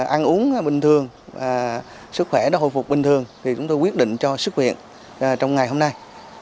ăn uống bình thường và sức khỏe đã hồi phục bình thường thì chúng tôi quyết định cho sức viện trong ngày hôm nay